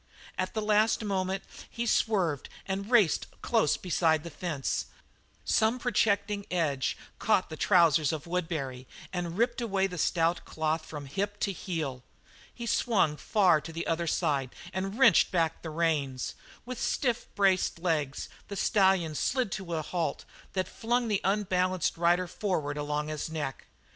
At the last moment he swerved and raced close beside the fence; some projecting edge caught the trousers of Woodbury and ripped away the stout cloth from hip to heel. He swung far to the other side and wrenched back the reins. With stiff braced legs the stallion slid to a halt that flung his unbalanced rider forward along his neck.